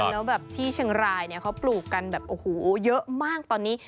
แล้วแบบที่เชียงรายเนี่ยเขาปลูกกันแบบโอ้โหเยอะมากตอนนี้